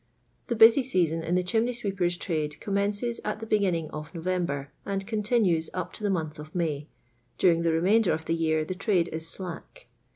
The busy season in the chimney sweepen' trade commences at the beginning of November, and continues up to the month of May ; during the remainder of the year the trade is "slack.